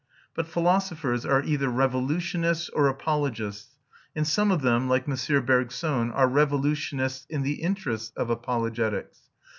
But philosophers are either revolutionists or apologists, and some of them, like M. Bergson, are revolutionists in the interests of apologetics.